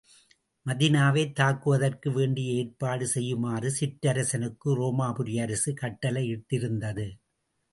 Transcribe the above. மதீனாவைத் தாக்குவதற்கு வேண்டிய ஏற்பாடு செய்யுமாறு சிற்றரசனுக்கு ரோமாபுரி அரசு கட்டளையிட்டிருந்தது.